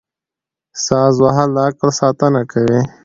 ساز وهل د عقل ساتنه کوي.